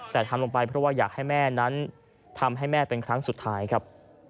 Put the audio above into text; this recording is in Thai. แต่ทำลงไปเพราะว่าอยากให้แม่นั้นทำให้แม่เป็นครั้งสุดท้ายครับ